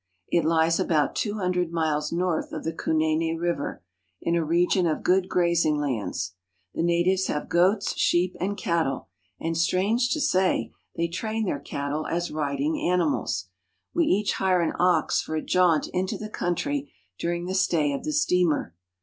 It lies about two hundred miles north of the Kunene River, in a region of good grazing lands. The natives have goats, sheep, and cattle ; and, strange to say, they train their cattle as riding animals. We each hire an ox for a jaunt into the country during the stay of the steamer.